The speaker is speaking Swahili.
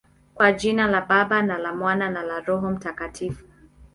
Kwa jina la Baba, na la Mwana, na la Roho Mtakatifu.